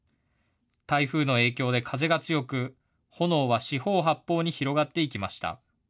台風の影響で風が強く、炎は四方八方に広がっていきました。